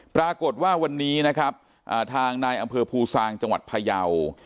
ปรากฏว่าวันนี้นะครับทางนายอำเภอภูซางจังหวัดพยาว